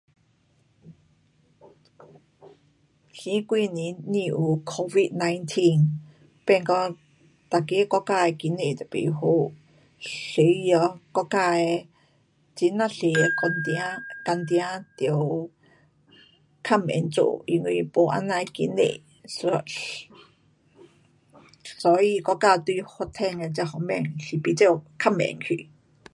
前几年不有 covid nineteen, 变讲每个国家的经济都不好，所以哦，国家的很呀多的工场，工场得较慢做，因为没这样的经济，所，所以国家对这方面的发展是比较，较慢去。